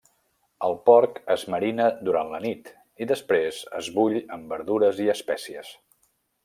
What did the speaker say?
El porc es marina durant la nit, i després es bull amb verdures i espècies.